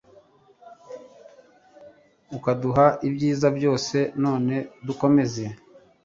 ukaduha ibyiza byose. none dukomeze